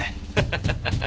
ハハハハ！